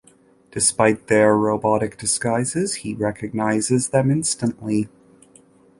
Despite their robotic disguises, he recognizes them instantly.